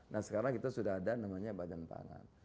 nah sekarang kita sudah ada namanya badan pangan